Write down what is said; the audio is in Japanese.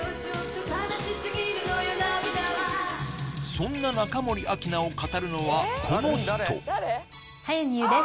そんな中森明菜を語るのはこの人早見優です